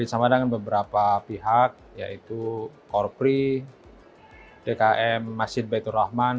sama dengan beberapa pihak yaitu korpri dkm masjid baitur rahman